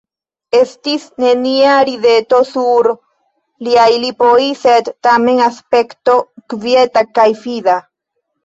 Estis nenia rideto sur liaj lipoj, sed tamen aspekto kvieta kaj fida.